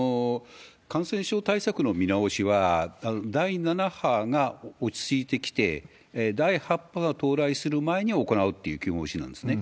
感染症対策の見直しは、第７波が落ち着いてきて、第８波が到来する前に行うっていう基本方針なんですね。